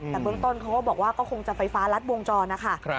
แต่เบื้องต้นเขาก็บอกว่าก็คงจะไฟฟ้ารัดวงจรนะคะ